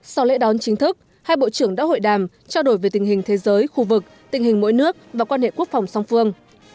sau lễ đón chính thức hai bộ trưởng đã hội đàm trao đổi về tình hình thế giới khu vực tình hình mỗi nước và quan hệ quốc phòng song phương